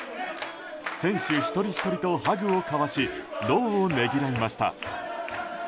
選手一人ひとりとハグを交わし労をねぎらいました。